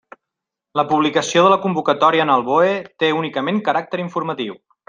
La publicació de la convocatòria en el BOE té únicament caràcter informatiu.